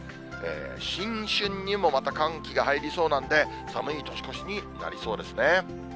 新春にもまた寒気が入りそうなんで、寒い年越しになりそうですね。